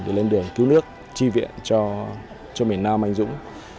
để lên đường cứu nước chi viện cho miền nam anh dũng